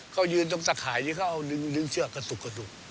เขายืนตรงตะขายที่เขาลึงเสื้อกระตุก